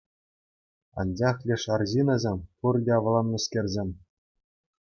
Анчах леш арҫынӗсем — пурте авланнӑскерсем.